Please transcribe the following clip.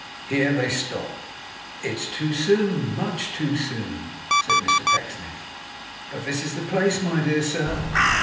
Here they stopped. 'It's too soon. Much too soon,' said Mr Pecksniff. 'But this is the place, my dear sir.